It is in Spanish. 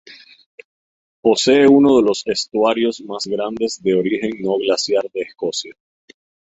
Posee uno de los estuarios más grandes de origen no glaciar de Escocia.